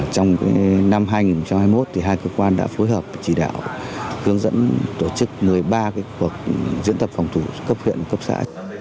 trong năm hai nghìn hai mươi một hai cơ quan đã phối hợp chỉ đạo hướng dẫn tổ chức một mươi ba cuộc diễn tập phòng thủ cấp huyện cấp xã